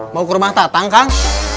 mau ke rumah tatang kang